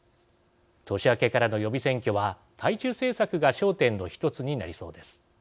年明けからの予備選挙は対中政策が焦点の１つになりそうです。